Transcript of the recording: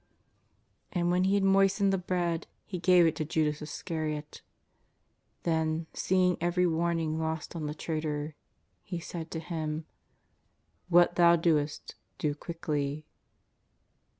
18 332 JESUS OF NAZARETH. And when He had moistened the bread, He gave it to Judas Iscariot. Then, seeing every warning lost on the traitor, He said to him: " What thou doest do quickly."